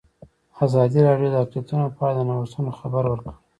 ازادي راډیو د اقلیتونه په اړه د نوښتونو خبر ورکړی.